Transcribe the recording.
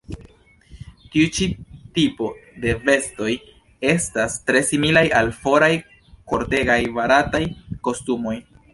Tiu ĉi tipo de vestoj estas tre similaj al foraj kortegaj barataj kostumoj.